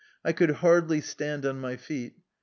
I could hardly stand on my feet.